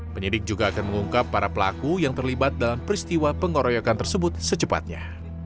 penyidik juga akan mengungkap para pelaku yang terlibat dalam peristiwa pengoroyokan tersebut secepatnya